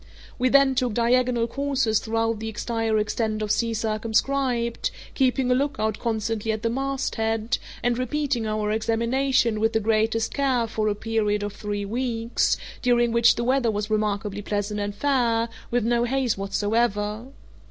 We then took diagonal courses throughout the entire extent of sea circumscribed, keeping a lookout constantly at the masthead, and repeating our examination with the greatest care for a period of three weeks, during which the weather was remarkably pleasant and fair, with no haze whatsoever.